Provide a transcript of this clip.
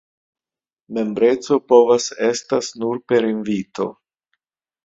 Membreco povas estas nur per invito.